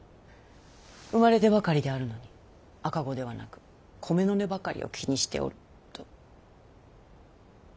生まれたばかりであるのに赤子ではなく米の値ばかりを気にしておると。